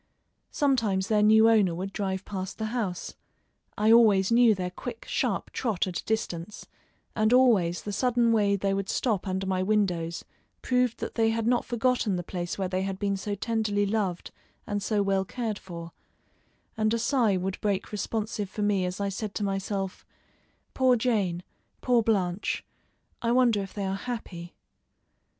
Sometimes their new owner would drive past the house; I always knew their quick, sharp trot at a distance, and always the sudden way they would stop under my windows proved that they had not forgotten the place where they had been so tenderly loved and so well cared for, and a sigh would break responsive from me as I said to myself: "Poor Jane, poor Blanche! I wonder if they are happy."